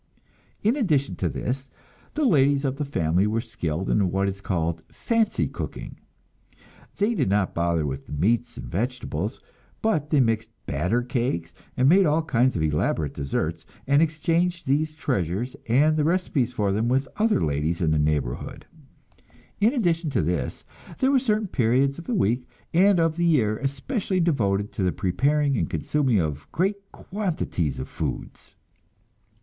In addition to this, the ladies of the family were skilled in what is called "fancy cooking." They did not bother with the meats and vegetables, but they mixed batter cakes, and made all kinds of elaborate desserts, and exchanged these treasures and the recipes for them with other ladies in the neighborhood. In addition to this, there were certain periods of the week and of the year especially devoted to the preparing and consuming of great quantities of foods.